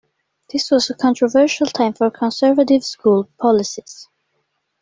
This was a controversial time for Conservative school policies.